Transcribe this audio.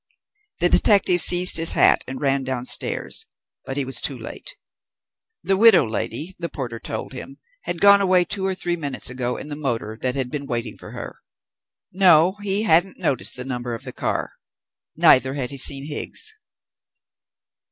The detective seized his hat and ran downstairs, but he was too late. The widow lady, the porter told him, had gone away two or three minutes ago in the motor that had been waiting for her. No, he hadn't noticed the number of the car. Neither had he seen Higgs.